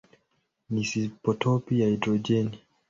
ni isotopi ya hidrojeni.